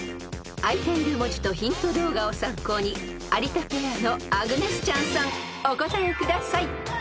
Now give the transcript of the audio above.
［開いている文字とヒント動画を参考に有田ペアのアグネス・チャンさんお答えください］